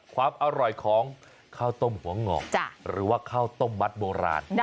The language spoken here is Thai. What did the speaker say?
ความอร่อยของข้าวต้มหัวหงอกหรือว่าข้าวต้มมัดโบราณ